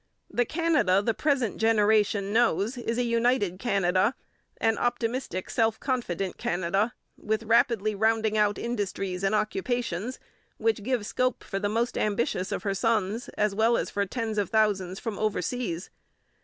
The Canada the present generation knows is a united Canada, an optimistic, self confident Canada, with rapidly rounding out industries and occupations which give scope for the most ambitious of her sons as well as for tens of thousands from overseas.